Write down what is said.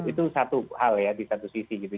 itu satu hal ya di satu sisi gitu